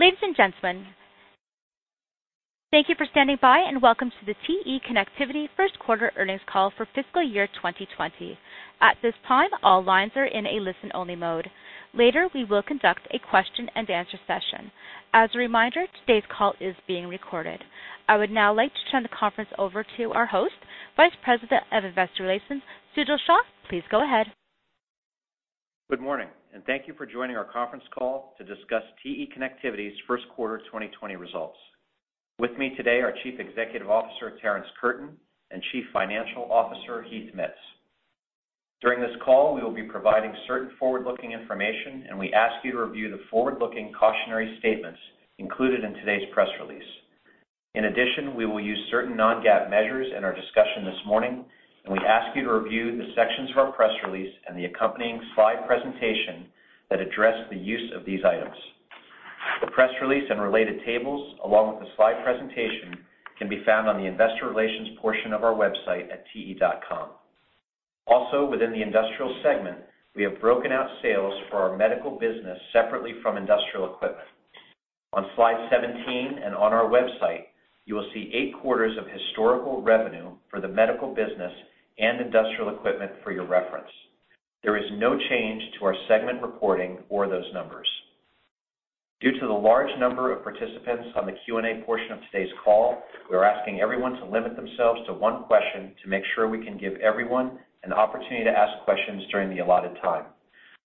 Ladies and gentlemen, thank you for standing by and welcome to the TE Connectivity first quarter earnings call for fiscal year 2020. At this time, all lines are in a listen-only mode. Later, we will conduct a question-and-answer session. As a reminder, today's call is being recorded. I would now like to turn the conference over to our host, Vice President of Investor Relations, Sujal Shah. Please go ahead. Good morning, and thank you for joining our conference call to discuss TE Connectivity's First Quarter 2020 results. With me today are Chief Executive Officer Terrence Curtin and Chief Financial Officer Heath Mitts. During this call, we will be providing certain forward-looking information, and we ask you to review the forward-looking cautionary statements included in today's press release. In addition, we will use certain non-GAAP measures in our discussion this morning, and we ask you to review the sections of our press release and the accompanying slide presentation that address the use of these items. The press release and related tables, along with the slide presentation, can be found on the Investor Relations portion of our website at te.com. Also, within the Industrial segment, we have broken out sales for our Medical business separately from Industrial Equipment. On slide 17 and on our website, you will see eight quarters of historical revenue for the Medical business and Industrial Equipment for your reference. There is no change to our segment reporting or those numbers. Due to the large number of participants on the Q&A portion of today's call, we are asking everyone to limit themselves to one question to make sure we can give everyone an opportunity to ask questions during the allotted time.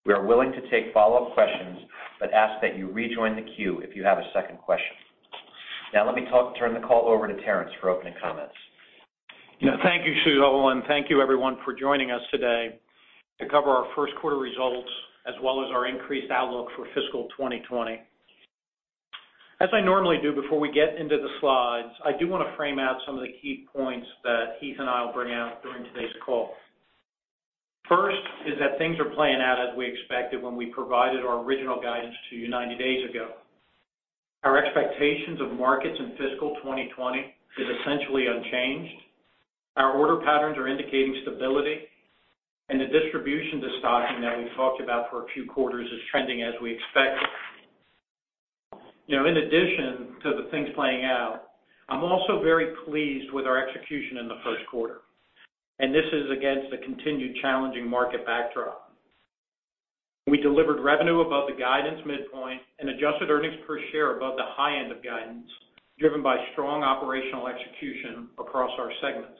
We are willing to take follow-up questions, but ask that you rejoin the queue if you have a second question. Now, let me turn the call over to Terrence for opening comments. Thank you, Sujal. And thank you, everyone, for joining us today to cover our first quarter results as well as our increased outlook for fiscal 2020. As I normally do, before we get into the slides, I do want to frame out some of the key points that Heath and I will bring out during today's call. First is that things are playing out as we expected when we provided our original guidance to you 90 days ago. Our expectations of markets in fiscal 2020 are essentially unchanged. Our order patterns are indicating stability, and the distributor destocking that we've talked about for a few quarters is trending as we expected. In addition to the things playing out, I'm also very pleased with our execution in the first quarter, and this is against a continued challenging market backdrop. We delivered revenue above the guidance midpoint and adjusted earnings per share above the high end of guidance, driven by strong operational execution across our segments.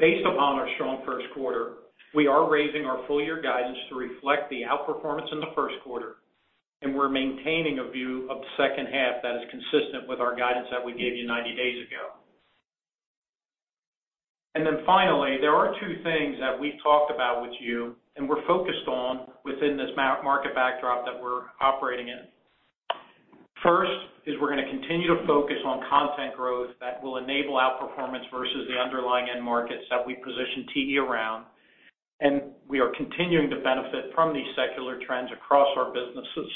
Based upon our strong first quarter, we are raising our full-year guidance to reflect the outperformance in the first quarter, and we're maintaining a view of the second half that is consistent with our guidance that we gave you 90 days ago, and then finally, there are two things that we've talked about with you and we're focused on within this market backdrop that we're operating in. First is we're going to continue to focus on content growth that will enable outperformance versus the underlying end markets that we position TE around, and we are continuing to benefit from these secular trends across our businesses.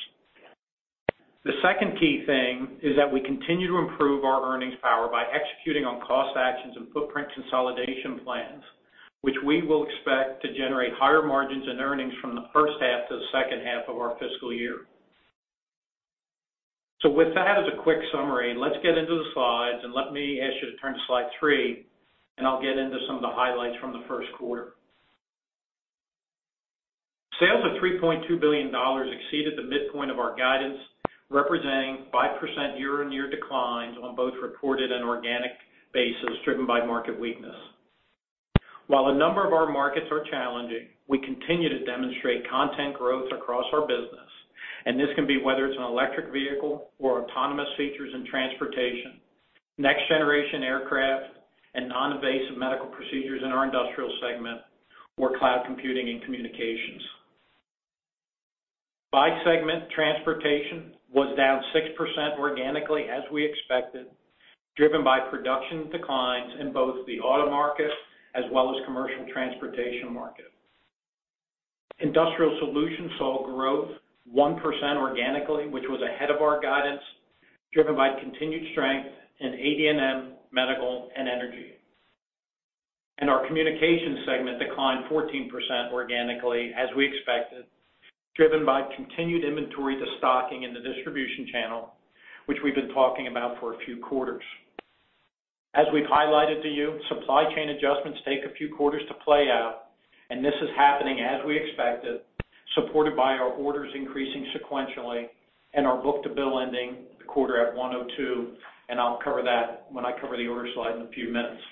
The second key thing is that we continue to improve our earnings power by executing on cost actions and footprint consolidation plans, which we will expect to generate higher margins and earnings from the first half to the second half of our fiscal year. So with that as a quick summary, let's get into the slides, and let me ask you to turn to slide three, and I'll get into some of the highlights from the first quarter. Sales of $3.2 billion exceeded the midpoint of our guidance, representing 5% year-on-year declines on both reported and organic basis, driven by market weakness. While a number of our markets are challenging, we continue to demonstrate content growth across our business, and this can be whether it's an electric vehicle or autonomous features in Transportation, next-generation aircraft and non-invasive medical procedures in our Industrial segment, or cloud computing and Communications. By segment, Transportation Solutions was down 6% organically, as we expected, driven by production declines in both the auto market as well as the Commercial Transportation market. Industrial Solutions saw growth 1% organically, which was ahead of our guidance, driven by continued strength in AD&M, Medical, and Energy. And our Communications Solutions segment declined 14% organically, as we expected, driven by continued inventory destocking in the distribution channel, which we've been talking about for a few quarters. As we've highlighted to you, supply chain adjustments take a few quarters to play out, and this is happening as we expected, supported by our orders increasing sequentially and our book-to-bill ending the quarter at 1.02, and I'll cover that when I cover the order slide in a few minutes.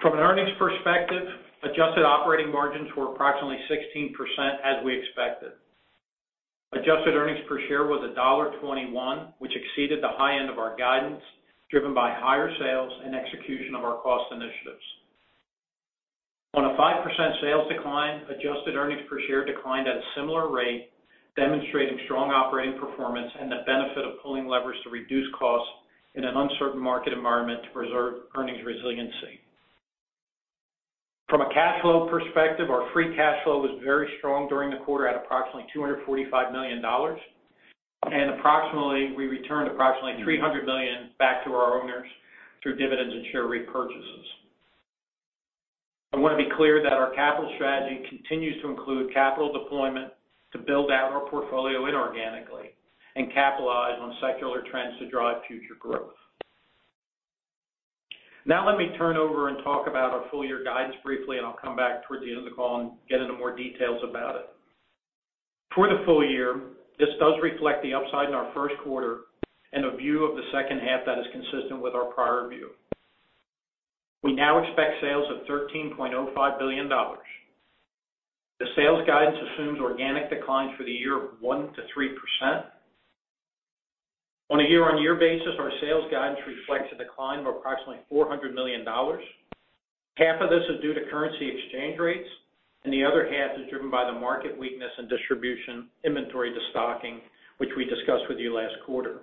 From an earnings perspective, adjusted operating margins were approximately 16% as we expected. Adjusted earnings per share was $1.21, which exceeded the high end of our guidance, driven by higher sales and execution of our cost initiatives. On a 5% sales decline, adjusted earnings per share declined at a similar rate, demonstrating strong operating performance and the benefit of pulling levers to reduce costs in an uncertain market environment to preserve earnings resiliency. From a cash flow perspective, our free cash flow was very strong during the quarter at approximately $245 million, and we returned approximately $300 million back to our owners through dividends and share repurchases. I want to be clear that our capital strategy continues to include capital deployment to build out our portfolio inorganically and capitalize on secular trends to drive future growth. Now, let me turn over and talk about our full-year guidance briefly, and I'll come back towards the end of the call and get into more details about it. For the full-year, this does reflect the upside in our first quarter and a view of the second half that is consistent with our prior view. We now expect sales of $13.05 billion. The sales guidance assumes organic declines for the year of 1%-3%. On a year-on-year basis, our sales guidance reflects a decline of approximately $400 million. Half of this is due to currency exchange rates, and the other half is driven by the market weakness in distribution inventory destocking, which we discussed with you last quarter.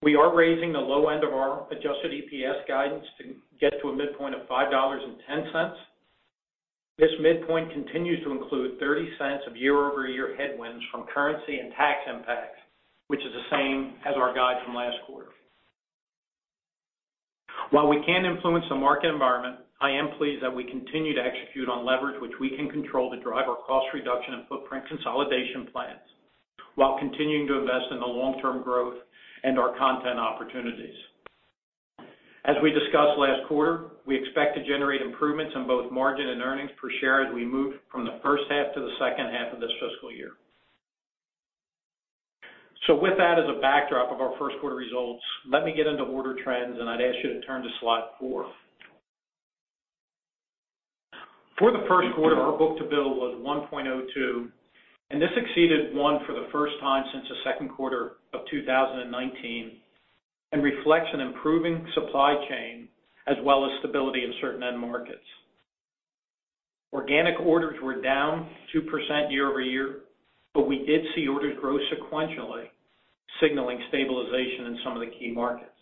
We are raising the low end of our Adjusted EPS guidance to get to a midpoint of $5.10. This midpoint continues to include $0.30 of year-over-year headwinds from currency and tax impacts, which is the same as our guide from last quarter. While we can influence the market environment, I am pleased that we continue to execute on leverage, which we can control to drive our cost reduction and footprint consolidation plans while continuing to invest in the long-term growth and our content opportunities. As we discussed last quarter, we expect to generate improvements in both margin and earnings per share as we move from the first half to the second half of this fiscal year. So with that as a backdrop of our first quarter results, let me get into order trends, and I'd ask you to turn to slide four. For the first quarter, our book-to-bill was 1.02, and this exceeded one for the first time since the second quarter of 2019 and reflects an improving supply chain as well as stability in certain end markets. Organic orders were down 2% year-over-year, but we did see orders grow sequentially, signaling stabilization in some of the key markets.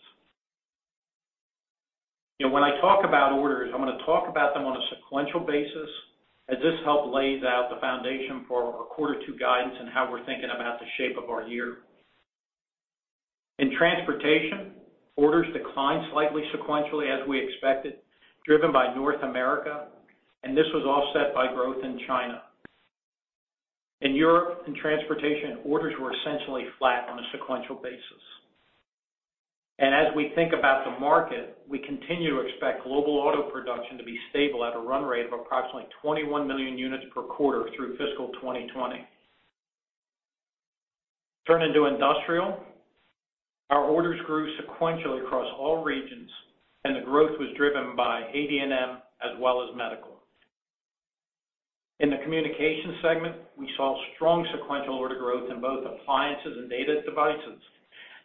When I talk about orders, I'm going to talk about them on a sequential basis as this helps lay out the foundation for our quarter two guidance and how we're thinking about the shape of our year. In Transportation, orders declined slightly sequentially as we expected, driven by North America, and this was offset by growth in China. In Europe and Transportation, orders were essentially flat on a sequential basis. As we think about the market, we continue to expect global auto production to be stable at a run rate of approximately 21 million units per quarter through fiscal 2020. Turning to Industrial, our orders grew sequentially across all regions, and the growth was driven by AD&M as well as Medical. In the Communications segment, we saw strong sequential order growth in both Appliances and Data Devices,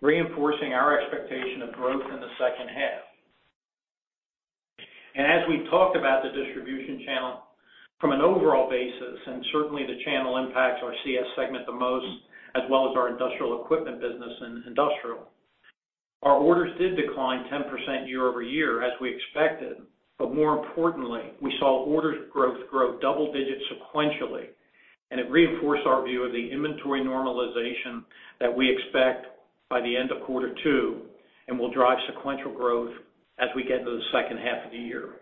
reinforcing our expectation of growth in the second half. As we talked about the distribution channel, from an overall basis, and certainly the channel impacts our CS segment the most as well as our Industrial Equipment business and Industrial, our orders did decline 10% year-over-year as we expected, but more importantly, we saw orders growth grow double-digit sequentially, and it reinforced our view of the inventory normalization that we expect by the end of quarter two and will drive sequential growth as we get into the second half of the year.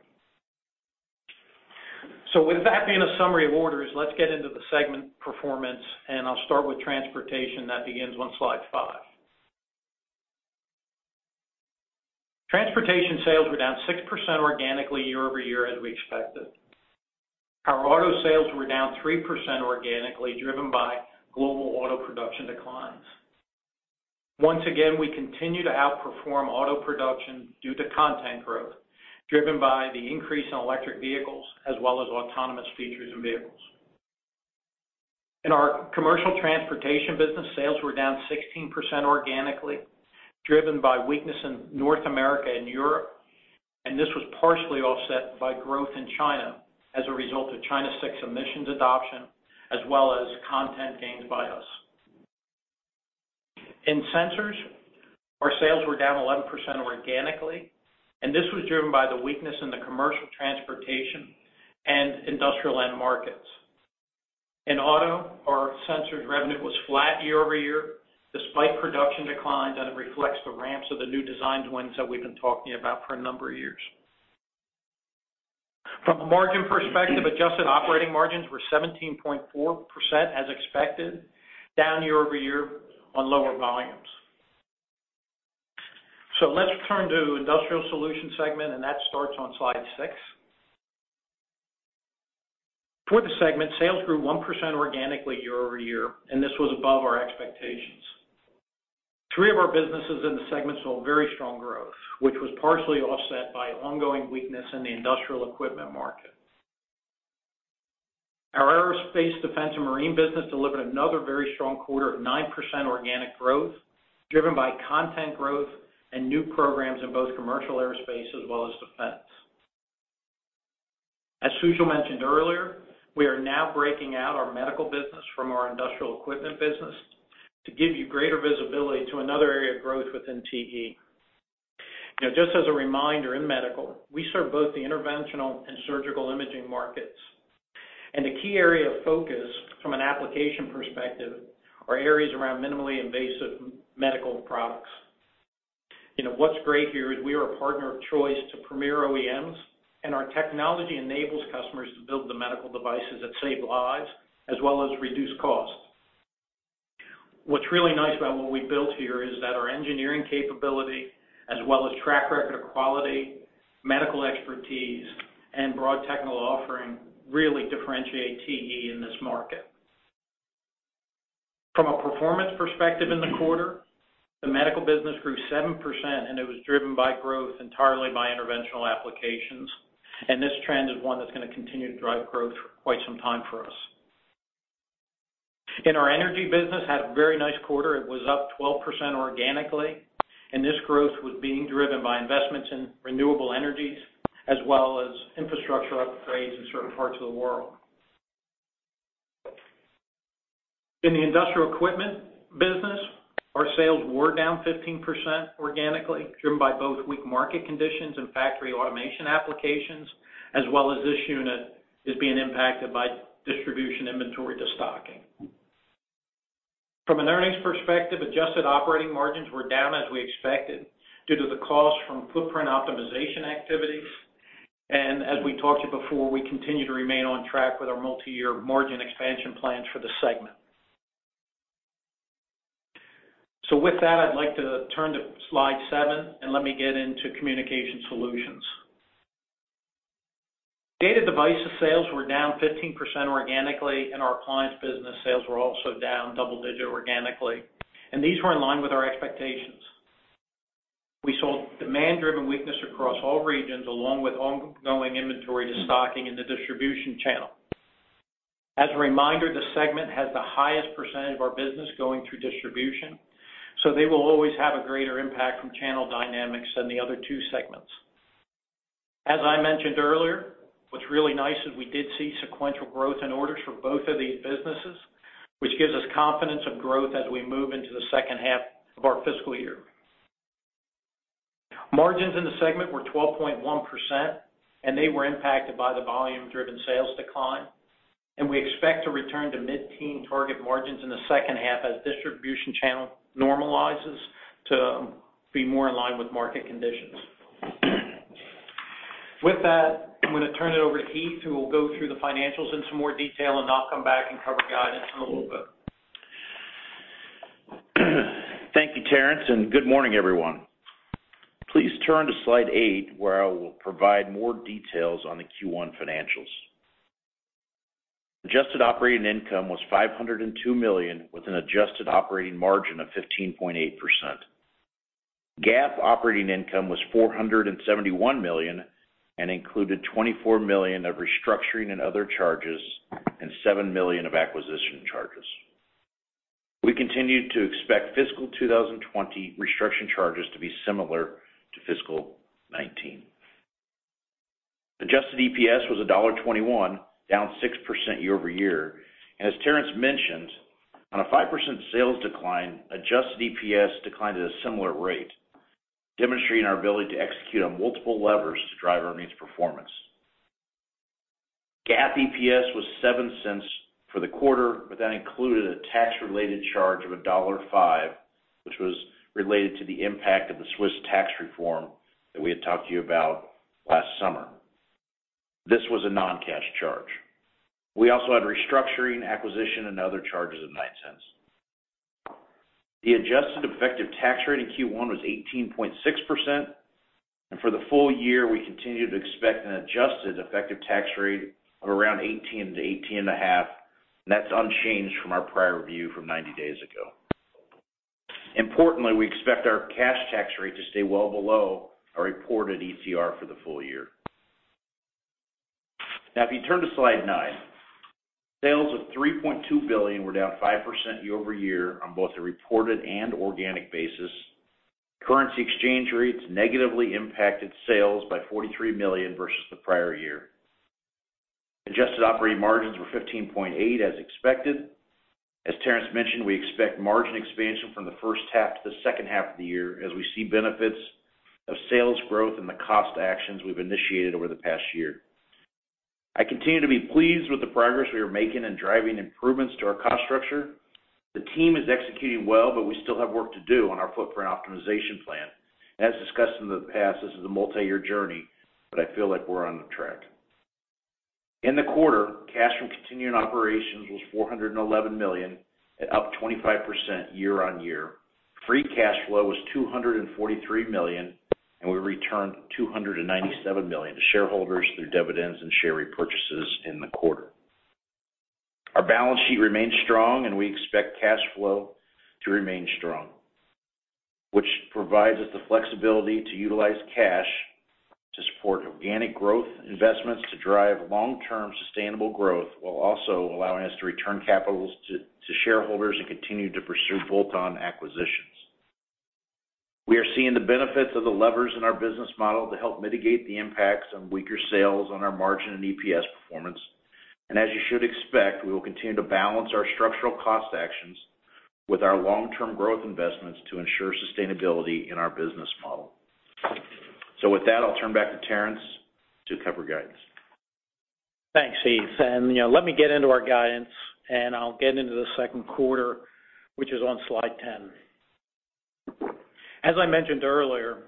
With that being a summary of orders, let's get into the segment performance, and I'll start with Transportation that begins on slide five. Transportation sales were down 6% organically year-over-year as we expected. Our auto sales were down 3% organically, driven by global auto production declines. Once again, we continue to outperform auto production due to content growth, driven by the increase in electric vehicles as well as autonomous features and vehicles. In our Commercial Transportation business, sales were down 16% organically, driven by weakness in North America and Europe, and this was partially offset by growth in China as a result of China 6 emissions adoption as well as content gains by us. In Sensors, our sales were down 11% organically, and this was driven by the weakness in the Commercial Transportation and Industrial end markets. In auto, our Sensors revenue was flat year-over-year despite production declines, and it reflects the ramps of the new design wins that we've been talking about for a number of years. From a margin perspective, adjusted operating margins were 17.4% as expected, down year-over-year on lower volumes. Let's turn to the Industrial Solutions segment, and that starts on slide six. For the segment, sales grew 1% organically year-over-year, and this was above our expectations. Three of our businesses in the segment saw very strong growth, which was partially offset by ongoing weakness in the Industrial Equipment market. Our Aerospace, Defense, and Marine business delivered another very strong quarter of 9% organic growth, driven by content growth and new programs in both commercial aerospace as well as defense. As Sujal mentioned earlier, we are now breaking out our Medical business from our Industrial Equipment business to give you greater visibility to another area of growth within TE. Just as a reminder, in Medical, we serve both the interventional and surgical imaging markets, and the key area of focus from an application perspective are areas around minimally invasive medical products. What's great here is we are a partner of choice to premier OEMs, and our technology enables customers to build the medical devices that save lives as well as reduce costs. What's really nice about what we built here is that our engineering capability as well as track record of quality, medical expertise, and broad technical offering really differentiate TE in this market. From a performance perspective in the quarter, the Medical business grew 7%, and it was driven by growth entirely by interventional applications, and this trend is one that's going to continue to drive growth for quite some time for us. In our Energy business, had a very nice quarter. It was up 12% organically, and this growth was being driven by investments in renewable energies as well as infrastructure upgrades in certain parts of the world. In the Industrial Equipment business, our sales were down 15% organically, driven by both weak market conditions and factory automation applications, as well as this unit is being impacted by distribution inventory destocking. From an earnings perspective, adjusted operating margins were down as we expected due to the cost from footprint optimization activities, and as we talked to you before, we continue to remain on track with our multi-year margin expansion plans for the segment. So with that, I'd like to turn to slide seven, and let me get into Communications Solutions. Data and Devices sales were down 15% organically, and our Appliance business sales were also down double-digit organically, and these were in line with our expectations. We saw demand-driven weakness across all regions along with ongoing inventory destocking in the distribution channel. As a reminder, the segment has the highest percentage of our business going through distribution, so they will always have a greater impact from channel dynamics than the other two segments. As I mentioned earlier, what's really nice is we did see sequential growth in orders for both of these businesses, which gives us confidence of growth as we move into the second half of our fiscal year. Margins in the segment were 12.1%, and they were impacted by the volume-driven sales decline, and we expect to return to mid-teen target margins in the second half as distribution channel normalizes to be more in line with market conditions. With that, I'm going to turn it over to Heath, who will go through the financials in some more detail, and I'll come back and cover guidance in a little bit. Thank you, Terrence, and good morning, everyone. Please turn to slide eight, where I will provide more details on the Q1 financials. Adjusted operating income was $502 million with an adjusted operating margin of 15.8%. GAAP operating income was $471 million and included $24 million of restructuring and other charges and $7 million of acquisition charges. We continue to expect fiscal 2020 restructuring charges to be similar to fiscal 2019. Adjusted EPS was $1.21, down 6% year-over-year, and as Terrence mentioned, on a 5% sales decline, adjusted EPS declined at a similar rate, demonstrating our ability to execute on multiple levers to drive our EPS performance. GAAP EPS was $0.07 for the quarter, but that included a tax-related charge of $1.05, which was related to the impact of the Swiss tax reform that we had talked to you about last summer. This was a non-cash charge. We also had restructuring, acquisition, and other charges of $0.09. The adjusted effective tax rate in Q1 was 18.6%, and for the full-year, we continue to expect an adjusted effective tax rate of around 18% to 18.5%, and that's unchanged from our prior view from 90 days ago. Importantly, we expect our cash tax rate to stay well below our reported ETR for the full-year. Now, if you turn to slide nine, sales of $3.2 billion were down 5% year-over-year on both a reported and organic basis. Currency exchange rates negatively impacted sales by $43 million versus the prior year. Adjusted operating margins were 15.8% as expected. As Terrence mentioned, we expect margin expansion from the first half to the second half of the year as we see benefits of sales growth and the cost actions we've initiated over the past year. I continue to be pleased with the progress we are making and driving improvements to our cost structure. The team is executing well, but we still have work to do on our footprint optimization plan. As discussed in the past, this is a multi-year journey, but I feel like we're on the track. In the quarter, cash from continuing operations was $411 million, up 25% year-on-year. Free cash flow was $243 million, and we returned $297 million to shareholders through dividends and share repurchases in the quarter. Our balance sheet remains strong, and we expect cash flow to remain strong, which provides us the flexibility to utilize cash to support organic growth investments to drive long-term sustainable growth while also allowing us to return capital to shareholders and continue to pursue bolt-on acquisitions. We are seeing the benefits of the levers in our business model to help mitigate the impacts on weaker sales on our margin and EPS performance, and as you should expect, we will continue to balance our structural cost actions with our long-term growth investments to ensure sustainability in our business model. So with that, I'll turn back to Terrence to cover guidance. Thanks, Heath. And let me get into our guidance, and I'll get into the second quarter, which is on slide 10. As I mentioned earlier,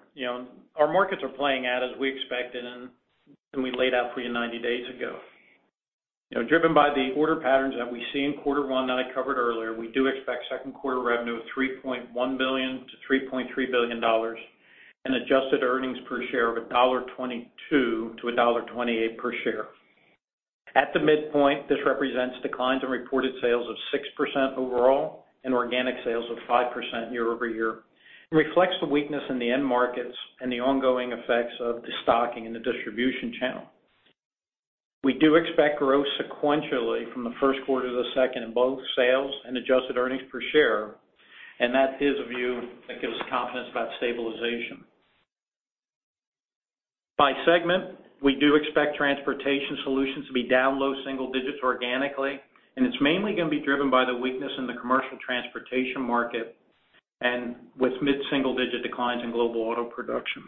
our markets are playing out as we expected, and we laid out for you 90 days ago. Driven by the order patterns that we see in quarter one that I covered earlier, we do expect second quarter revenue of $3.1 billion-$3.3 billion and adjusted earnings per share of $1.22-$1.28 per share. At the midpoint, this represents declines in reported sales of 6% overall and organic sales of 5% year-over-year. It reflects the weakness in the end markets and the ongoing effects of the destocking in the distribution channel. We do expect growth sequentially from the first quarter to the second in both sales and adjusted earnings per share, and that is a view that gives us confidence about stabilization. By segment, we do expect Transportation Solutions to be down low single digits organically, and it's mainly going to be driven by the weakness in the Commercial Transportation market and with mid-single digit declines in global auto production.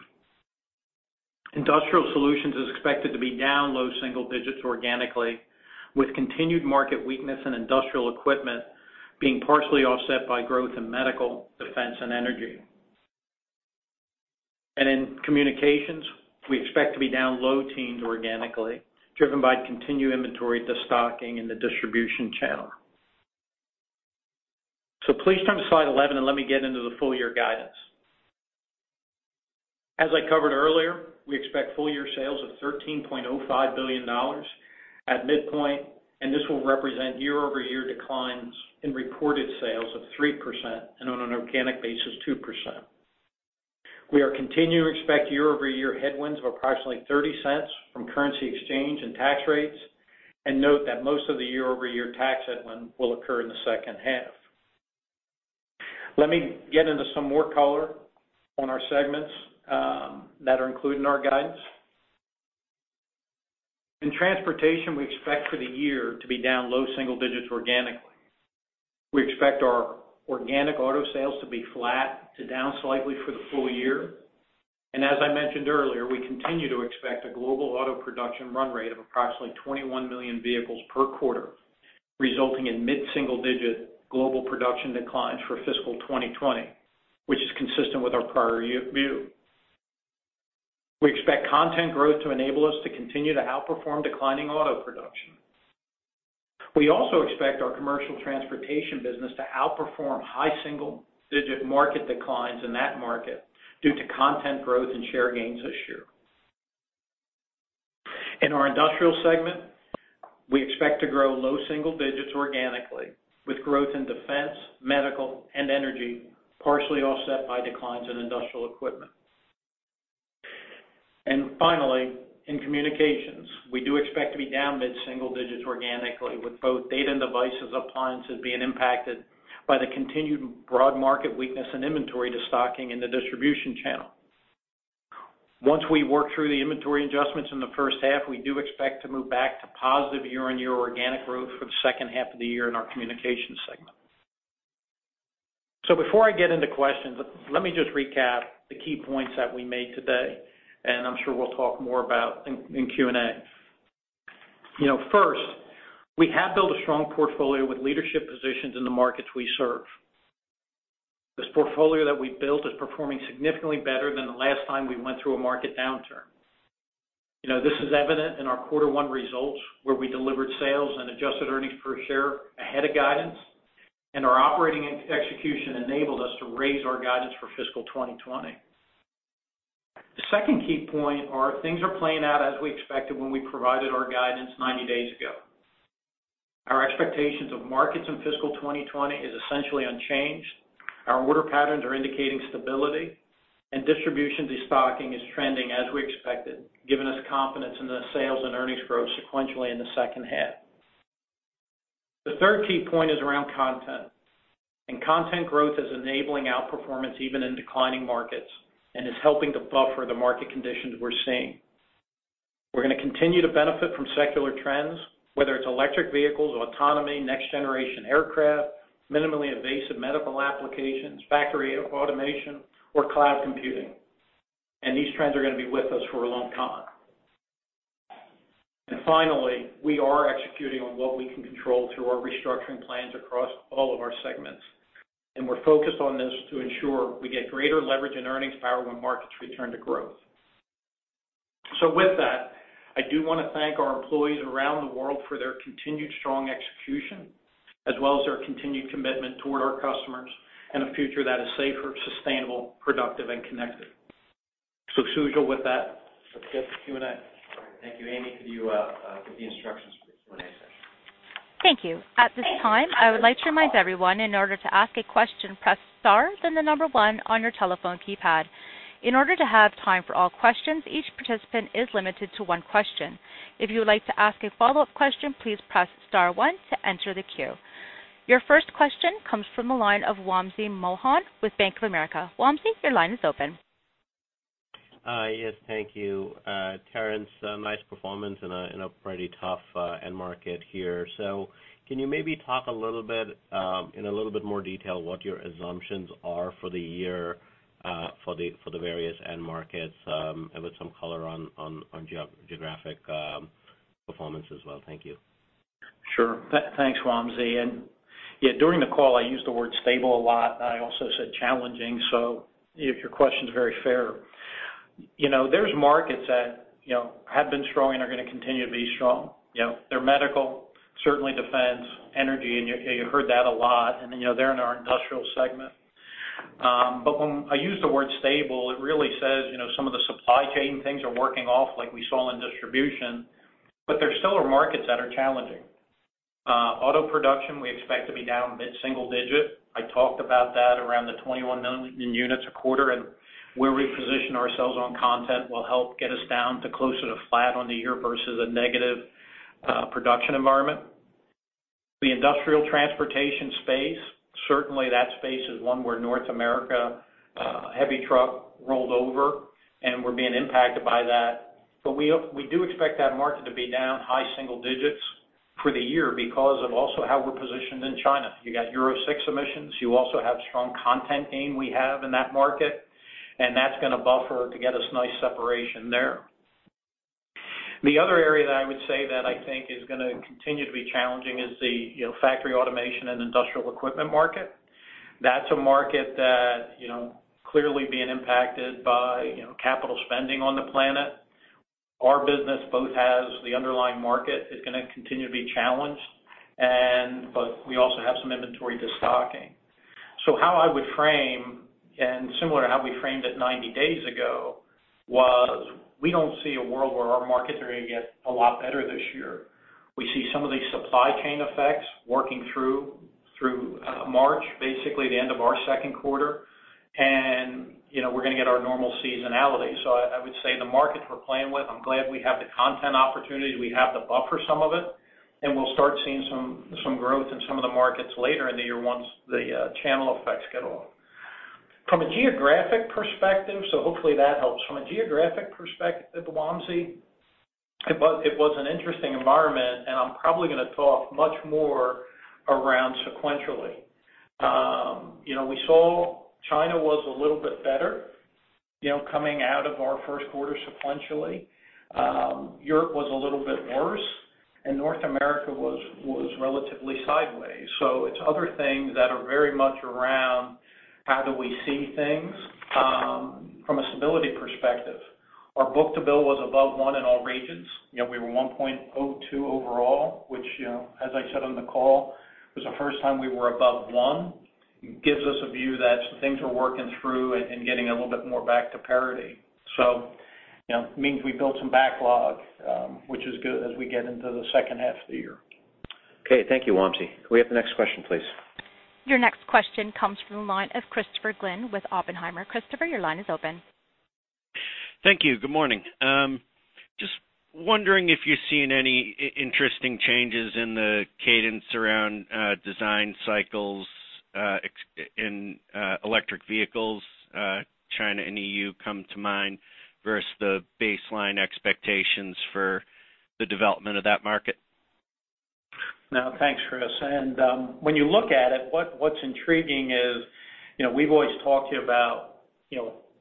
Industrial Solutions are expected to be down low single digits organically, with continued market weakness in Industrial Equipment being partially offset by growth in Medical, Defense, and Energy. And in Communications, we expect to be down low teens organically, driven by continued destocking in the distribution channel. So please turn to slide 11, and let me get into the full-year guidance. As I covered earlier, we expect full-year sales of $13.05 billion at midpoint, and this will represent year-over-year declines in reported sales of 3% and on an organic basis, 2%. We are continuing to expect year-over-year headwinds of approximately $0.30 from currency exchange and tax rates, and note that most of the year-over-year tax headwind will occur in the second half. Let me get into some more color on our segments that are included in our guidance. In Transportation, we expect for the year to be down low single digits organically. We expect our organic auto sales to be flat to down slightly for the full-year, and as I mentioned earlier, we continue to expect a global auto production run rate of approximately 21 million vehicles per quarter, resulting in mid-single digit global production declines for fiscal 2020, which is consistent with our prior view. We expect content growth to enable us to continue to outperform declining auto production. We also expect our Commercial Transportation business to outperform high single-digit market declines in that market due to content growth and share gains this year. In our industrial segment, we expect to grow low single digits organically, with growth in Defense, Medical, and Energy partially offset by declines in Industrial Equipment. And finally, in Communications, we do expect to be down mid-single digits organically, with both Data and Devices, Appliances being impacted by the continued broad market weakness in inventory destocking in the distribution channel. Once we work through the inventory adjustments in the first half, we do expect to move back to positive year-on-year organic growth for the second half of the year in our Communications segment. So before I get into questions, let me just recap the key points that we made today, and I'm sure we'll talk more about in Q&A. First, we have built a strong portfolio with leadership positions in the markets we serve. This portfolio that we built is performing significantly better than the last time we went through a market downturn. This is evident in our quarter one results, where we delivered sales and adjusted earnings per share ahead of guidance, and our operating execution enabled us to raise our guidance for fiscal 2020. The second key point is things are playing out as we expected when we provided our guidance 90 days ago. Our expectations of markets in fiscal 2020 are essentially unchanged. Our order patterns are indicating stability, and distribution destocking is trending as we expected, giving us confidence in the sales and earnings growth sequentially in the second half. The third key point is around content, and content growth is enabling outperformance even in declining markets and is helping to buffer the market conditions we're seeing. We're going to continue to benefit from secular trends, whether it's electric vehicles, autonomy, next-generation aircraft, minimally invasive medical applications, factory automation, or cloud computing, and these trends are going to be with us for a long time. And finally, we are executing on what we can control through our restructuring plans across all of our segments, and we're focused on this to ensure we get greater leverage and earnings power when markets return to growth. So with that, I do want to thank our employees around the world for their continued strong execution, as well as their continued commitment toward our customers and a future that is safer, sustainable, productive, and connected. So Sujal, with that, let's get to Q&A. Thank you. Amy, could you give the instructions for the Q&A session? Thank you. At this time, I would like to remind everyone in order to ask a question, press star then the number one on your telephone keypad. In order to have time for all questions, each participant is limited to one question. If you would like to ask a follow-up question, please press star one to enter the queue. Your first question comes from the line of Wamsi Mohan with Bank of America. Wamsi, your line is open. Yes, thank you. Terrence, nice performance in a pretty tough end market here, so can you maybe talk a little bit in a little bit more detail what your assumptions are for the year for the various end markets and with some color on geographic performance as well? Thank you. Sure. Thanks, Wamsi. And yeah, during the call, I used the word stable a lot. I also said challenging, so your question's very fair. There's markets that have been strong and are going to continue to be strong. They're Medical, certainly Defense, Energy, and you heard that a lot, and they're in our Industrial segment. But when I use the word stable, it really says some of the supply chain things are working off like we saw in distribution, but there still are markets that are challenging. Auto production, we expect to be down mid-single digit. I talked about that around the 21 million units a quarter, and where we position ourselves on content will help get us down to closer to flat on the year versus a negative production environment. The industrial transportation space, certainly that space is one where North America heavy truck rolled over, and we're being impacted by that. But we do expect that market to be down high single digits for the year because of also how we're positioned in China. You got Euro 6 emissions. You also have strong content gain we have in that market, and that's going to buffer to get us nice separation there. The other area that I would say that I think is going to continue to be challenging is the factory automation and Industrial Equipment market. That's a market that clearly is being impacted by capital spending on the planet. Our business, both as the underlying market, is going to continue to be challenged, but we also have some inventory destocking. So, how I would frame it, and similar to how we framed it 90 days ago, was we don't see a world where our markets are going to get a lot better this year. We see some of these supply chain effects working through March, basically the end of our second quarter, and we're going to get our normal seasonality. So I would say the markets we're playing with. I'm glad we have the content opportunities. We have the buffer some of it, and we'll start seeing some growth in some of the markets later in the year once the channel effects get off. From a geographic perspective, so hopefully that helps. From a geographic perspective, Wamsi, it was an interesting environment, and I'm probably going to talk much more around sequentially. We saw China was a little bit better coming out of our first quarter sequentially. Europe was a little bit worse, and North America was relatively sideways. So it's other things that are very much around how do we see things from a stability perspective. Our book-to-bill was above one in all regions. We were 1.02 overall, which, as I said on the call, was the first time we were above one. It gives us a view that things are working through and getting a little bit more back to parity. So it means we built some backlog, which is good as we get into the second half of the year. Okay. Thank you, Wamsi. Can we have the next question, please? Your next question comes from the line of Christopher Glynn with Oppenheimer. Christopher, your line is open. Thank you. Good morning. Just wondering if you're seeing any interesting changes in the cadence around design cycles in electric vehicles, China and EU come to mind versus the baseline expectations for the development of that market? No, thanks, Chris. And when you look at it, what's intriguing is we've always talked to you about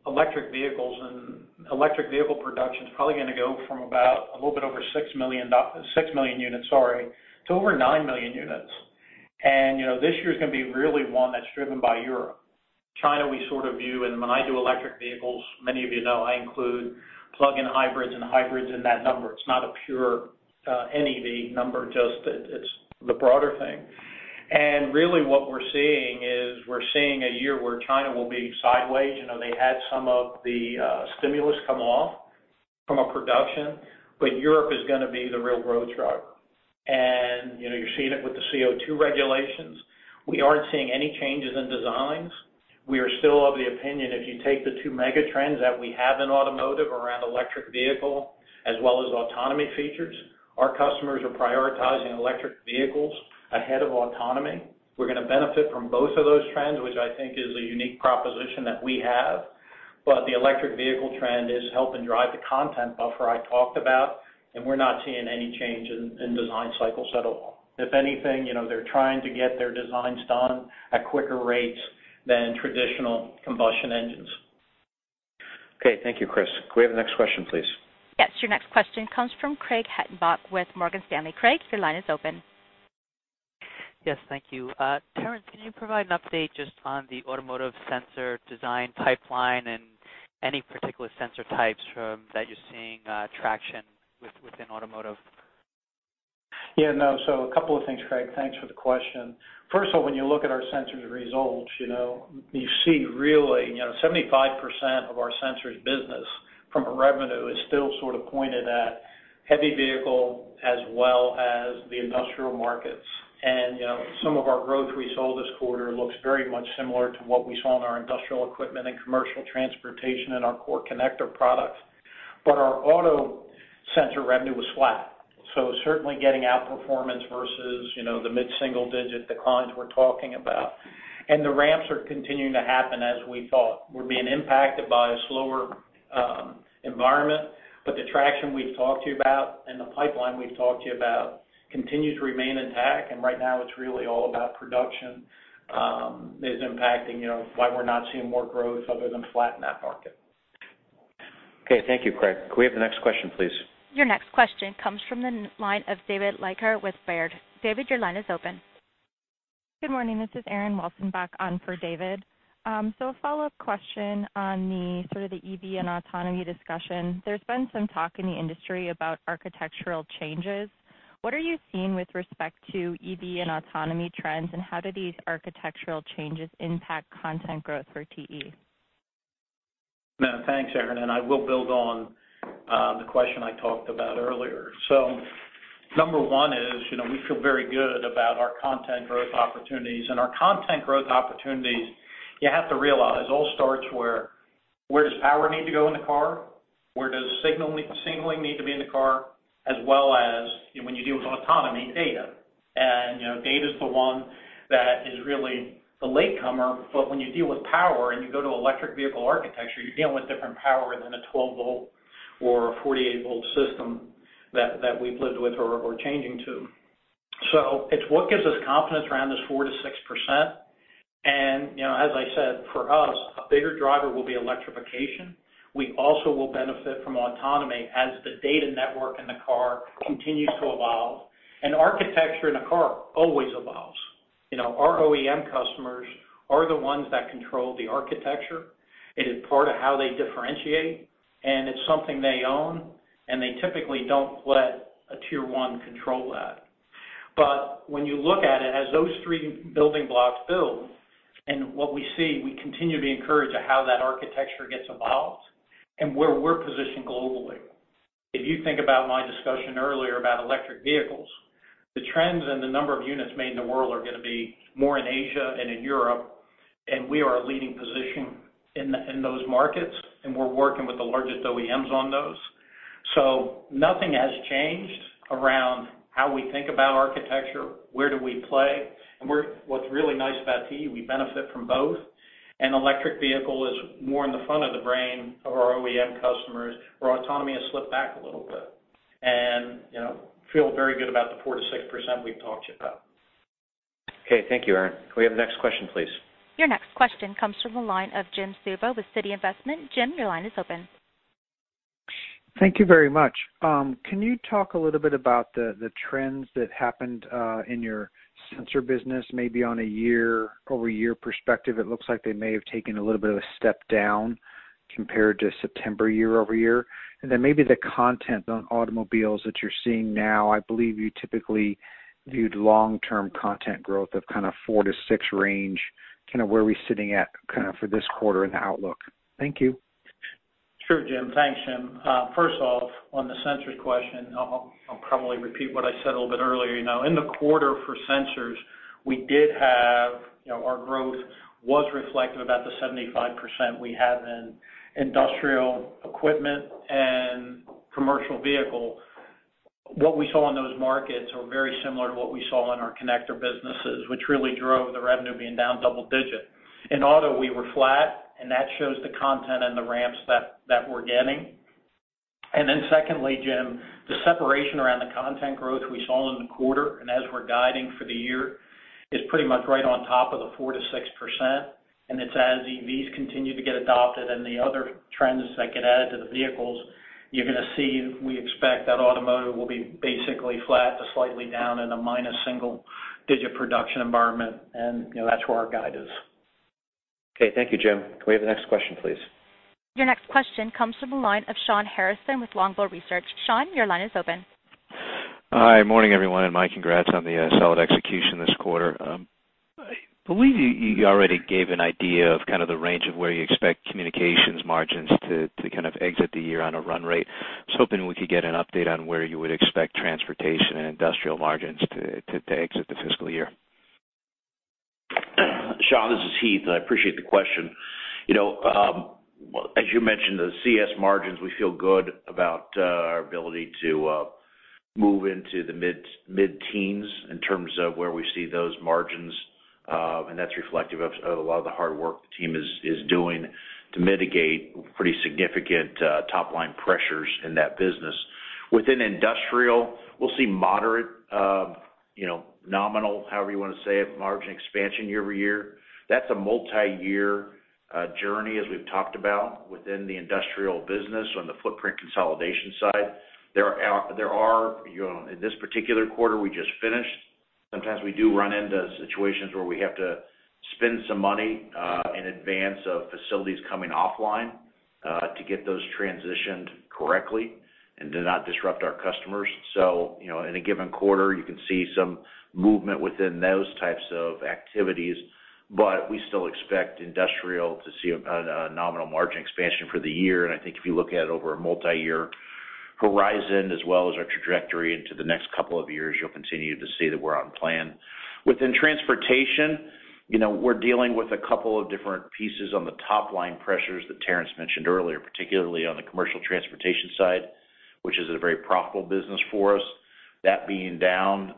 electric vehicles, and electric vehicle production is probably going to go from about a little bit over six million units, sorry, to over nine million units. And this year is going to be really one that's driven by Europe. China, we sort of view, and when I do electric vehicles, many of you know I include plug-in hybrids and hybrids in that number. It's not a pure NEV number, just it's the broader thing. And really what we're seeing is we're seeing a year where China will be sideways. They had some of the stimulus come off from a production, but Europe is going to be the real growth driver. And you're seeing it with the CO2 regulations. We aren't seeing any changes in designs. We are still of the opinion if you take the two megatrends that we have in automotive around electric vehicle as well as autonomy features, our customers are prioritizing electric vehicles ahead of autonomy. We're going to benefit from both of those trends, which I think is a unique proposition that we have. But the electric vehicle trend is helping drive the content buffer I talked about, and we're not seeing any change in design cycles at all. If anything, they're trying to get their designs done at quicker rates than traditional combustion engines. Okay. Thank you, Chris. Could we have the next question, please? Yes. Your next question comes from Craig Hettenbach with Morgan Stanley. Craig, your line is open. Yes. Thank you. Terrence, can you provide an update just on the automotive sensor design pipeline and any particular sensor types that you're seeing traction within automotive? Yeah. No. So a couple of things, Craig. Thanks for the question. First of all, when you look at our Sensors results, you see really 75% of our Sensors business from revenue is still sort of pointed at heavy vehicle as well as the Industrial markets. And some of our growth we saw this quarter looks very much similar to what we saw in our Industrial Equipment and Commercial Transportation and our core connector products. But our auto sensor revenue was flat. So certainly getting outperformance versus the mid-single digit declines we're talking about. And the ramps are continuing to happen as we thought. We're being impacted by a slower environment, but the traction we've talked to you about and the pipeline we've talked to you about continues to remain intact. Right now, it's really all about production is impacting why we're not seeing more growth other than flat in that market. Okay. Thank you, Craig. Could we have the next question, please? Your next question comes from the line of David Leiker with Baird. David, your line is open. Good morning. This is Erin Welcenbach on for David. So a follow-up question on sort of the EV and autonomy discussion. There's been some talk in the industry about architectural changes. What are you seeing with respect to EV and autonomy trends, and how do these architectural changes impact content growth for TE? No, thanks, Erin. And I will build on the question I talked about earlier. So number one is we feel very good about our content growth opportunities. And our content growth opportunities, you have to realize all starts where does power need to go in the car? Where does signaling need to be in the car? As well as when you deal with autonomy, data. And data is the one that is really the latecomer. But when you deal with power and you go to electric vehicle architecture, you're dealing with different power than a 12-volt or a 48-volt system that we've lived with or are changing to. So it's what gives us confidence around this 4%-6%. And as I said, for us, a bigger driver will be electrification. We also will benefit from autonomy as the data network in the car continues to evolve. Architecture in a car always evolves. Our OEM customers are the ones that control the architecture. It is part of how they differentiate, and it's something they own, and they typically don't let a tier one control that. But when you look at it as those three building blocks build, and what we see, we continue to encourage how that architecture gets evolved and where we're positioned globally. If you think about my discussion earlier about electric vehicles, the trends and the number of units made in the world are going to be more in Asia and in Europe, and we are a leading position in those markets, and we're working with the largest OEMs on those. So nothing has changed around how we think about architecture, where do we play. What's really nice about TE, we benefit from both. Electric vehicle is more in the front of the brain of our OEM customers. Our autonomy has slipped back a little bit and feel very good about the 4%-6% we've talked to you about. Okay. Thank you, Erin. Could we have the next question, please? Your next question comes from the line of Jim Suva with Citi. Jim, your line is open. Thank you very much. Can you talk a little bit about the trends that happened in your sensor business, maybe on a year-over-year perspective? It looks like they may have taken a little bit of a step down compared to September year-over-year, and then maybe the content on automobiles that you're seeing now. I believe you typically viewed long-term content growth of kind of 4%-6% range. Kind of where are we sitting at kind of for this quarter and the outlook? Thank you. Sure, Jim. Thanks, Jim. First off, on the Sensors question, I'll probably repeat what I said a little bit earlier. In the quarter for Sensors, we did have our growth was reflective of the 75% we have in Industrial Equipment and Commercial Vehicle. What we saw in those markets are very similar to what we saw in our connector businesses, which really drove the revenue being down double digit. In auto, we were flat, and that shows the content and the ramps that we're getting. And then secondly, Jim, the separation around the content growth we saw in the quarter and as we're guiding for the year is pretty much right on top of the 4%-6%. It's as EVs continue to get adopted and the other trends that get added to the vehicles. You're going to see we expect that automotive will be basically flat to slightly down in a minus single-digit production environment, and that's where our guide is. Okay. Thank you, Jim. Could we have the next question, please? Your next question comes from the line of Shawn Harrison with Longbow Research. Shawn, your line is open. Hi. Morning, everyone, and my congrats on the solid execution this quarter. I believe you already gave an idea of kind of the range of where you expect Communications margins to kind of exit the year on a run rate. I was hoping we could get an update on where you would expect Transportation and Industrial margins to exit the fiscal year. Sean, this is Heath. I appreciate the question. As you mentioned, the CS margins, we feel good about our ability to move into the mid-teens in terms of where we see those margins. And that's reflective of a lot of the hard work the team is doing to mitigate pretty significant top-line pressures in that business. Within Industrial, we'll see moderate nominal, however you want to say it, margin expansion year-over-year. That's a multi-year journey, as we've talked about, within the Industrial business on the footprint consolidation side. There are, in this particular quarter we just finished, sometimes we do run into situations where we have to spend some money in advance of facilities coming offline to get those transitioned correctly and to not disrupt our customers. So in a given quarter, you can see some movement within those types of activities. But we still expect Industrial to see a nominal margin expansion for the year. And I think if you look at it over a multi-year horizon as well as our trajectory into the next couple of years, you'll continue to see that we're on plan. Within Transportation, we're dealing with a couple of different pieces on the top-line pressures that Terrence mentioned earlier, particularly on the Commercial Transportation side, which is a very profitable business for us. That being down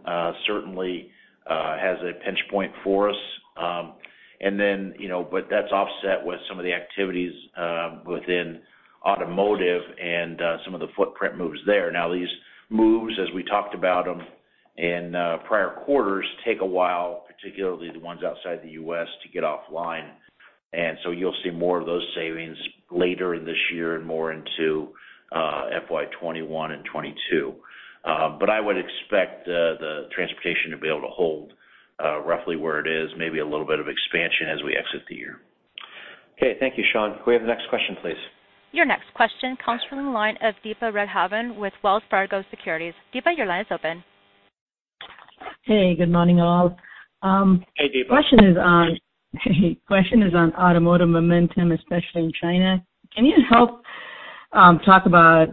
certainly has a pinch point for us. And then, but that's offset with some of the activities within automotive and some of the footprint moves there. Now, these moves, as we talked about them in prior quarters, take a while, particularly the ones outside the U.S., to get offline. And so you'll see more of those savings later in this year and more into FY 2021 and 2022. But I would expect the Transportation to be able to hold roughly where it is, maybe a little bit of expansion as we exit the year. Okay. Thank you, Shawn. Could we have the next question, please? Your next question comes from the line of Deepa Raghavan with Wells Fargo Securities. Deepa, your line is open. Hey. Good morning, all. Hey, Deepa. Question is on automotive momentum, especially in China. Can you help talk about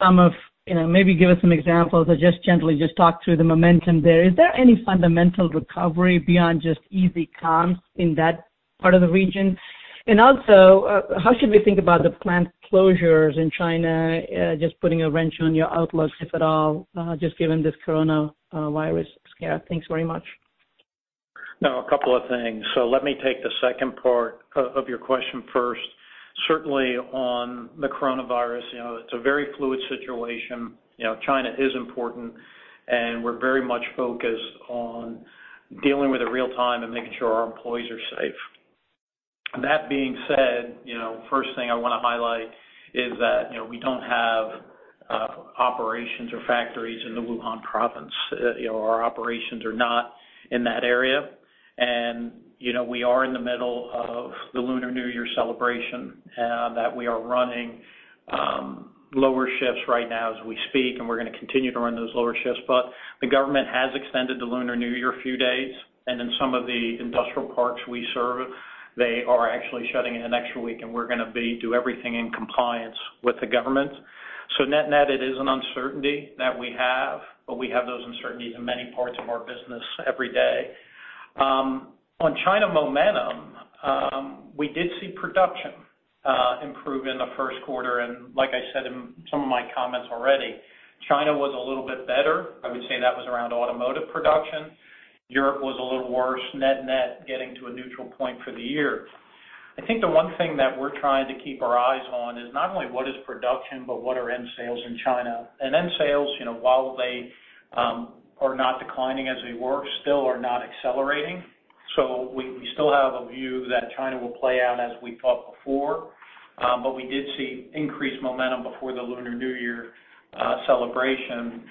some of maybe give us some examples or just gently just talk through the momentum there? Is there any fundamental recovery beyond just easy comps in that part of the region? And also, how should we think about the plant closures in China, just putting a wrench on your outlook, if at all, just given this coronavirus scare? Thanks very much. No, a couple of things. So let me take the second part of your question first. Certainly on the coronavirus, it's a very fluid situation. China is important, and we're very much focused on dealing with it real-time and making sure our employees are safe. That being said, first thing I want to highlight is that we don't have operations or factories in the Wuhan province. Our operations are not in that area. And we are in the middle of the Lunar New Year celebration that we are running lower shifts right now as we speak, and we're going to continue to run those lower shifts. But the government has extended the Lunar New Year a few days. And in some of the industrial parks we serve, they are actually shutting in an extra week, and we're going to do everything in compliance with the government. So net-net, it is an uncertainty that we have, but we have those uncertainties in many parts of our business every day. On China momentum, we did see production improve in the first quarter. And like I said in some of my comments already, China was a little bit better. I would say that was around automotive production. Europe was a little worse, net-net, getting to a neutral point for the year. I think the one thing that we're trying to keep our eyes on is not only what is production, but what are end sales in China. And end sales, while they are not declining as they were, still are not accelerating. So we still have a view that China will play out as we thought before. But we did see increased momentum before the Lunar New Year celebration,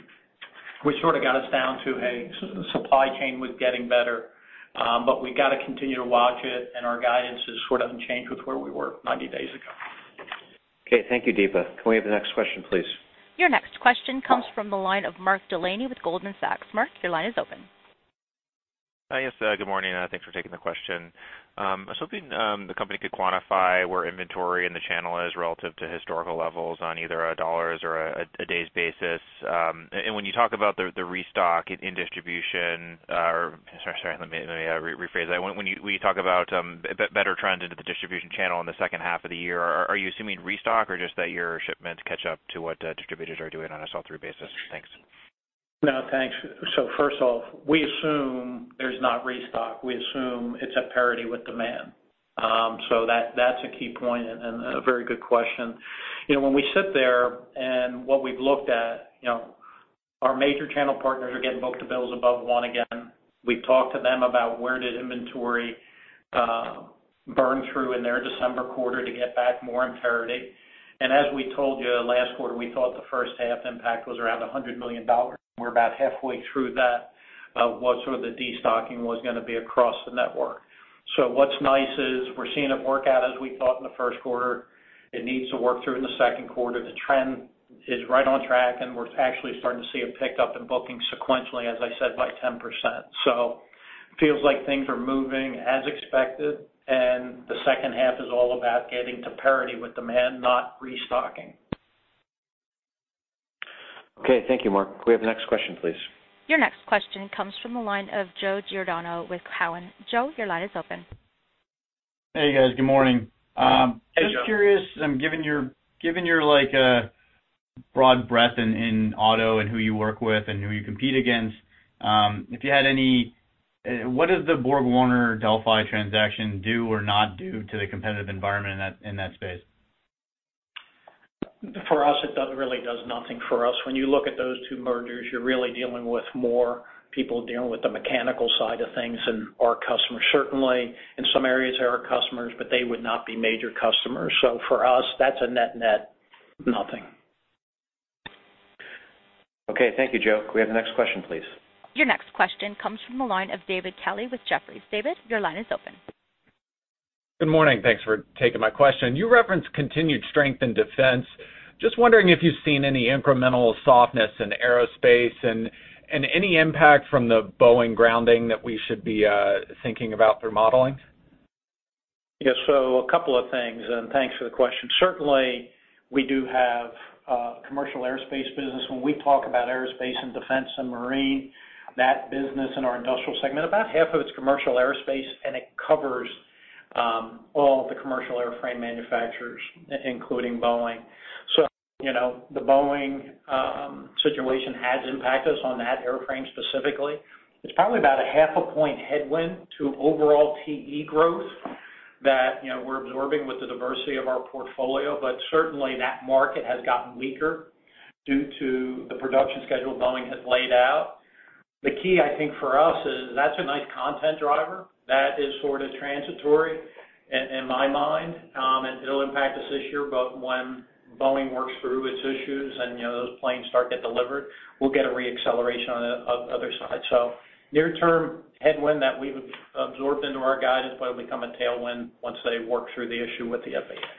which sort of got us down to, hey, supply chain was getting better. But we've got to continue to watch it, and our guidance is sort of unchanged with where we were 90 days ago. Okay. Thank you, Deepa. Could we have the next question, please? Your next question comes from the line of Mark Delaney with Goldman Sachs. Mark, your line is open. Hi. Yes. Good morning. Thanks for taking the question. I was hoping the company could quantify where inventory in the channel is relative to historical levels on either a dollars or a days basis, and when you talk about the restock in distribution or sorry, let me rephrase that. When you talk about better trends into the distribution channel in the second half of the year, are you assuming restock or just that your shipments catch up to what distributors are doing on a sell-through basis? Thanks. No, thanks. So first off, we assume there's not restock. We assume it's a parity with demand. So that's a key point and a very good question. When we sit there and what we've looked at, our major channel partners are getting book-to-bill above 1 again. We've talked to them about where did inventory burn through in their December quarter to get back more in parity. And as we told you last quarter, we thought the first half impact was around $100 million. We're about halfway through that of what sort of the destocking was going to be across the network. So what's nice is we're seeing it work out as we thought in the first quarter. It needs to work through in the second quarter. The trend is right on track, and we're actually starting to see a pickup in booking sequentially, as I said, by 10%. So it feels like things are moving as expected, and the second half is all about getting to parity with demand, not restocking. Okay. Thank you, Mark. Could we have the next question, please? Your next question comes from the line of Joe Giordano with Cowen. Joe, your line is open. Hey, guys. Good morning. I'm curious. Given your broad breadth in auto and who you work with and who you compete against. If you had any, what does the BorgWarner Delphi transaction do or not do to the competitive environment in that space? For us, it really does nothing for us. When you look at those two mergers, you're really dealing with more people dealing with the mechanical side of things and our customers. Certainly, in some areas, there are customers, but they would not be major customers. So for us, that's a net-net, nothing. Okay. Thank you, Joe. Could we have the next question, please? Your next question comes from the line of David Kelley with Jefferies. David, your line is open. Good morning. Thanks for taking my question. You referenced continued strength in defense. Just wondering if you've seen any incremental softness in aerospace and any impact from the Boeing grounding that we should be thinking about through modeling? Yes. So a couple of things, and thanks for the question. Certainly, we do have a commercial aerospace business. When we talk about Aerospace and Defense and Marine, that business in our Industrial segment, about half of it's commercial aerospace, and it covers all the commercial airframe manufacturers, including Boeing. So the Boeing situation has impacted us on that airframe specifically. It's probably about a half a point headwind to overall TE growth that we're absorbing with the diversity of our portfolio. But certainly, that market has gotten weaker due to the production schedule Boeing has laid out. The key, I think, for us is that's a nice content driver. That is sort of transitory in my mind, and it'll impact us this year. But when Boeing works through its issues and those planes start to get delivered, we'll get a re-acceleration on the other side. So near-term headwind that we've absorbed into our guidance, but it'll become a tailwind once they work through the issue with the FAA.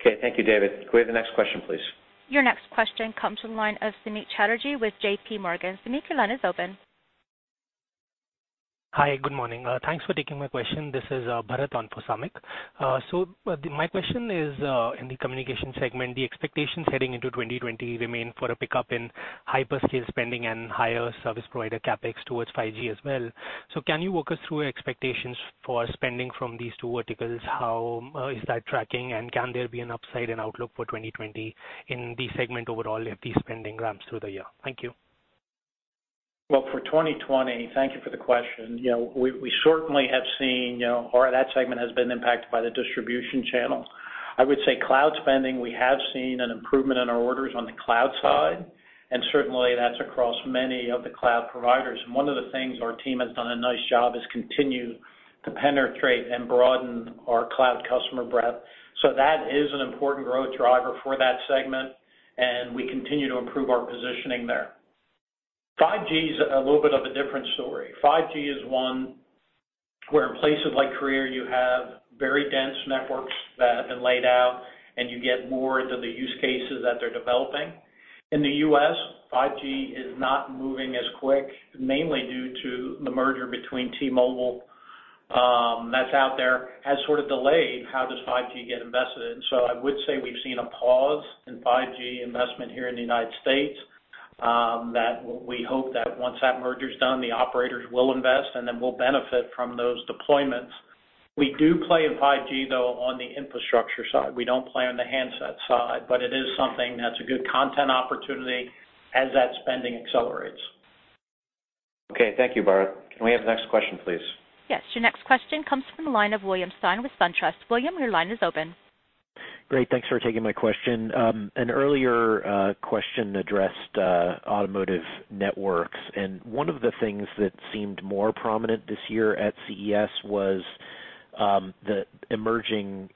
Okay. Thank you, David. Could we have the next question, please? Your next question comes from the line of Samik Chatterjee with JPMorgan. Samik, your line is open. Hi. Good morning. Thanks for taking my question. This is Bharat on for Samik. So my question is, in the communication segment, the expectations heading into 2020 remain for a pickup in hyperscale spending and higher service provider CapEx towards 5G as well. So can you walk us through expectations for spending from these two verticals? How is that tracking, and can there be an upside and outlook for 2020 in the segment overall if the spending ramps through the year? Thank you. For 2020, thank you for the question. We certainly have seen that segment has been impacted by the distribution channel. I would say cloud spending, we have seen an improvement in our orders on the cloud side, and certainly, that's across many of the cloud providers. And one of the things our team has done a nice job is continue to penetrate and broaden our cloud customer breadth. So that is an important growth driver for that segment, and we continue to improve our positioning there. 5G is a little bit of a different story. 5G is one where in places like Korea, you have very dense networks that have been laid out, and you get more into the use cases that they're developing. In the U.S., 5G is not moving as quick, mainly due to the merger between T-Mobile that's out there has sort of delayed how does 5G get invested in, so I would say we've seen a pause in 5G investment here in the United States that we hope that once that merger's done, the operators will invest, and then we'll benefit from those deployments. We do play in 5G, though, on the infrastructure side. We don't play on the handset side, but it is something that's a good content opportunity as that spending accelerates. Okay. Thank you, Bharat. Can we have the next question, please? Yes. Your next question comes from the line of William Stein with SunTrust. William, your line is open. Great. Thanks for taking my question. An earlier question addressed automotive networks. And one of the things that seemed more prominent this year at CES was the emerging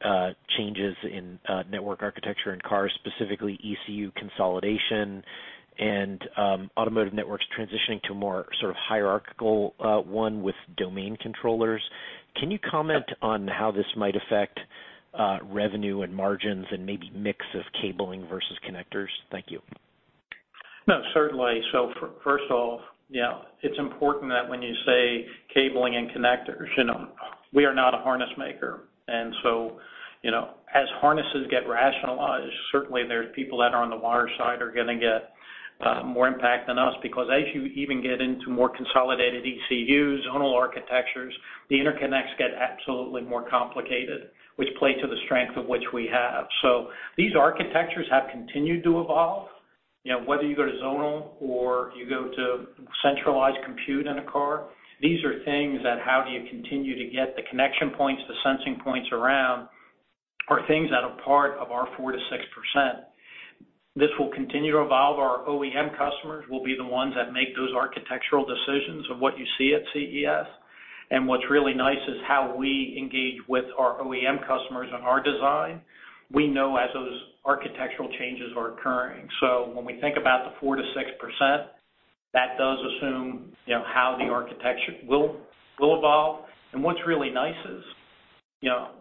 changes in network architecture in cars, specifically ECU consolidation and automotive networks transitioning to a more sort of hierarchical one with domain controllers. Can you comment on how this might affect revenue and margins and maybe mix of cabling versus connectors? Thank you. No, certainly. So first off, yeah, it's important that when you say cabling and connectors, we are not a harness maker. And so as harnesses get rationalized, certainly, there's people that are on the wire side are going to get more impact than us because as you even get into more consolidated ECUs, zonal architectures, the interconnects get absolutely more complicated, which plays to the strength of which we have. So these architectures have continued to evolve. Whether you go to zonal or you go to centralized compute in a car, these are things that how do you continue to get the connection points, the sensing points around are things that are part of our 4%-6%. This will continue to evolve. Our OEM customers will be the ones that make those architectural decisions of what you see at CES. And what's really nice is how we engage with our OEM customers on our design. We know as those architectural changes are occurring. So when we think about the 4%-6%, that does assume how the architecture will evolve. And what's really nice is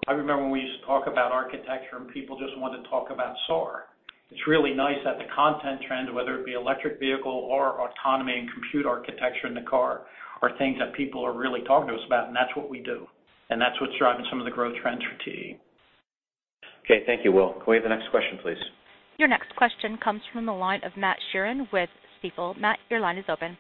I remember when we used to talk about architecture and people just wanted to talk about SAAR. It's really nice that the content trend, whether it be electric vehicle or autonomy and compute architecture in the car, are things that people are really talking to us about, and that's what we do. And that's what's driving some of the growth trends for TE. Okay. Thank you, Will. Could we have the next question, please? Your next question comes from the line of Matt Sheerin with Stifel. Matt, your line is open.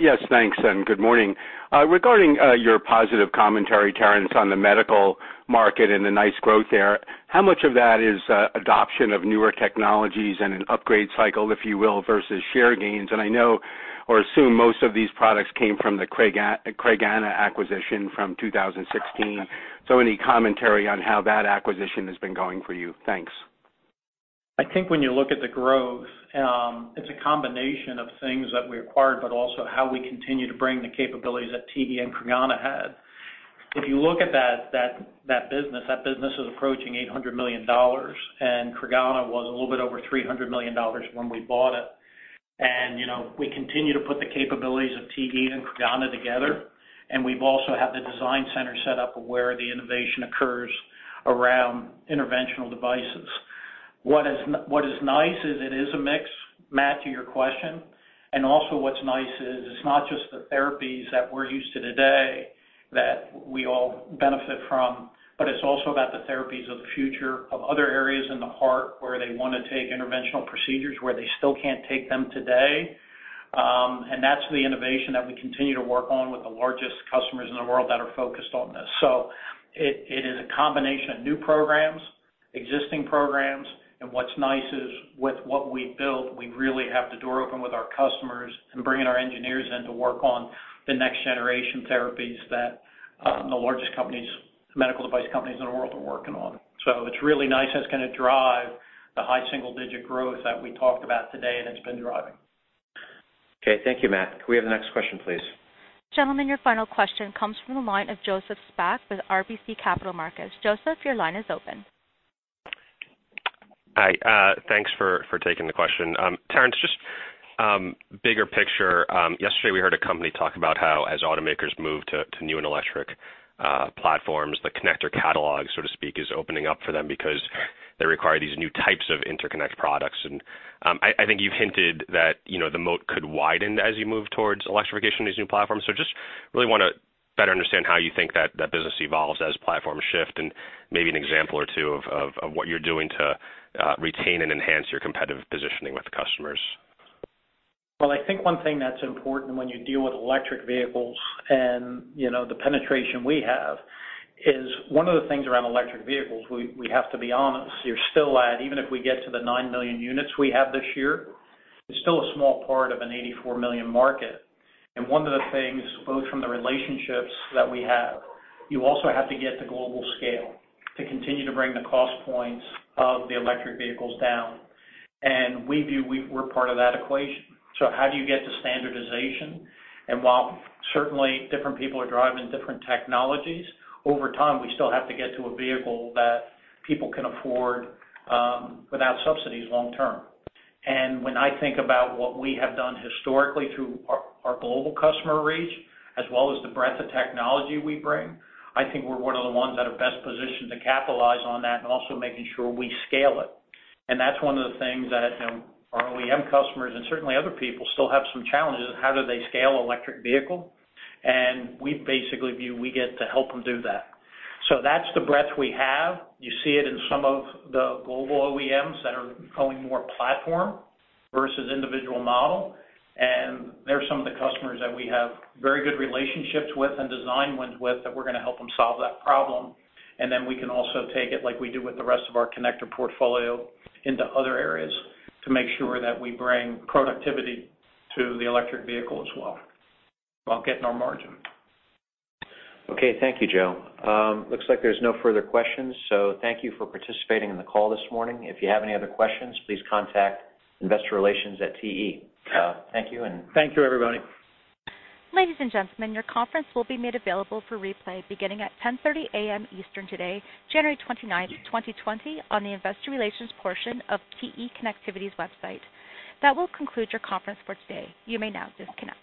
Yes. Thanks, and good morning. Regarding your positive commentary, Terrence, on the medical market and the nice growth there, how much of that is adoption of newer technologies and an upgrade cycle, if you will, versus share gains? And I know or assume most of these products came from the Creganna acquisition from 2016. So any commentary on how that acquisition has been going for you? Thanks. I think when you look at the growth, it's a combination of things that we acquired, but also how we continue to bring the capabilities that TE and Creganna had. If you look at that business, that business is approaching $800 million, and Creganna was a little bit over $300 million when we bought it. And we continue to put the capabilities of TE and Creganna together, and we've also had the design center set up where the innovation occurs around interventional devices. What is nice is it is a mix, Matt, to your question. And also, what's nice is it's not just the therapies that we're used to today that we all benefit from, but it's also about the therapies of the future of other areas in the heart where they want to take interventional procedures where they still can't take them today. That's the innovation that we continue to work on with the largest customers in the world that are focused on this. It is a combination of new programs, existing programs, and what's nice is with what we've built, we really have the door open with our customers and bringing our engineers in to work on the next generation therapies that the largest medical device companies in the world are working on. It's really nice and it's going to drive the high single-digit growth that we talked about today and it's been driving. Okay. Thank you, Matt. Could we have the next question, please? Gentlemen, your final question comes from the line of Joseph Spak with RBC Capital Markets. Joseph, your line is open. Hi. Thanks for taking the question. Terrence, just bigger picture. Yesterday, we heard a company talk about how, as automakers move to new and electric platforms, the connector catalog, so to speak, is opening up for them because they require these new types of interconnect products. And I think you've hinted that the moat could widen as you move towards electrification of these new platforms. So I just really want to better understand how you think that business evolves as platforms shift and maybe an example or two of what you're doing to retain and enhance your competitive positioning with customers. I think one thing that's important when you deal with electric vehicles and the penetration we have is one of the things around electric vehicles. We have to be honest, you're still at even if we get to the nine million units we have this year, it's still a small part of an 84 million market. One of the things, both from the relationships that we have, you also have to get to global scale to continue to bring the cost points of the electric vehicles down. We view we're part of that equation. So how do you get to standardization? While certainly different people are driving different technologies, over time, we still have to get to a vehicle that people can afford without subsidies long term. When I think about what we have done historically through our global customer reach as well as the breadth of technology we bring, I think we're one of the ones that are best positioned to capitalize on that and also making sure we scale it. That's one of the things that our OEM customers and certainly other people still have some challenges of how do they scale electric vehicles. We basically view we get to help them do that. That's the breadth we have. You see it in some of the global OEMs that are going more platform versus individual model. There are some of the customers that we have very good relationships with and design wins with that we're going to help them solve that problem. And then we can also take it like we do with the rest of our connector portfolio into other areas to make sure that we bring productivity to the electric vehicle as well while getting our margin. Okay. Thank you, Joe. Looks like there's no further questions. So thank you for participating in the call this morning. If you have any other questions, please contact investorrelations@te.com. Thank you and. Thank you, everybody. Ladies and gentlemen, your conference will be made available for replay beginning at 10:30 A.M. Eastern today, January 29th, 2020, on the Investor Relations portion of TE Connectivity's website. That will conclude your conference for today. You may now disconnect.